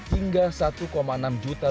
hingga satu enam juta